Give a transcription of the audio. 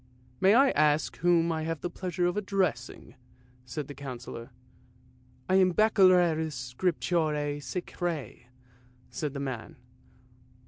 w May I ask whom I have the pleasure of addressing? " said the Councillor. " I am Baccalaureus Scripturae Sacrae," said the man.